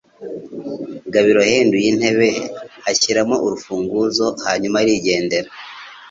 Gabiro yahinduye intebe, ashyiramo urufunguzo, hanyuma arigendera.